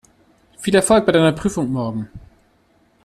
Viel Erfolg bei deiner Prüfung morgen!